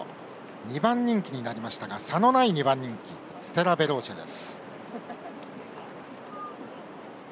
２番人気になりましたが差のない２番人気ステラヴェローチェです。